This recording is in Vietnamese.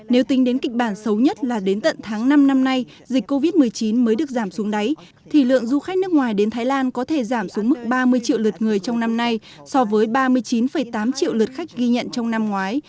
nếu tính đến kịch bản xấu nhất là đến tận tháng năm năm nay dịch covid một mươi chín mới được giảm xuống đáy thì lượng du khách nước ngoài đến thái lan có thể giảm xuống mức ba mươi triệu lượt người trong năm nay so với ba mươi chín tám triệu lượt khách ghi nhận trong năm ngoái